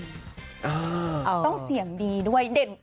ต้องเสียงดีด้วย